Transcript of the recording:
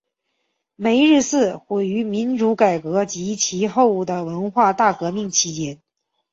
梅日寺毁于民主改革及其后的文化大革命期间。